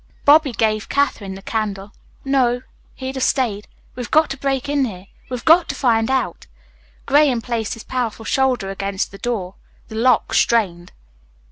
Bobby gave Katherine the candle. "No. He'd have stayed. We've got to break in here. We've got to find out." Graham placed his powerful shoulder against the door. The lock strained.